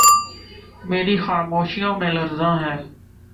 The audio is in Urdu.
میری خاموشیوں میں لرزاں ہے